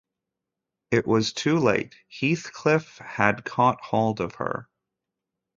It was too late: Heathcliff had caught hold of her.